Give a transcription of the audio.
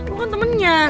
lo kan temennya